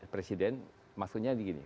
presiden maksudnya begini